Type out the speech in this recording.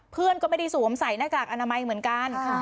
เพื่อนก็ไม่ได้สวมใส่หน้ากากอนามัยเหมือนกัน